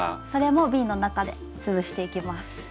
それもびんの中で潰していきます。